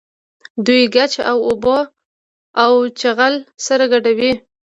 دوی ګچ او اوبه او چغل سره ګډول.